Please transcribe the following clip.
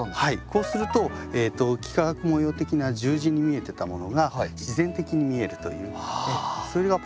こうすると幾何学模様的な十字に見えてたものが自然的に見えるというそれがポイントですね。